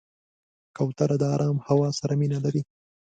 کوتره د آرام هوا سره مینه لري.